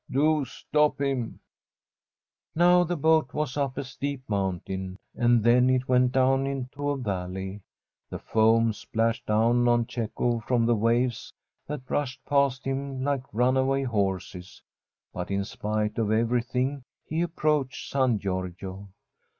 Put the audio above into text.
Do stop him !* Now the boat >K*as up a steep mountain, and then it went down into a ^'alley. The foam splashed down on Cecco from the waves that ru^.ed past him Kke runaway horses, but in spite d evwthing he approached San Giorgio.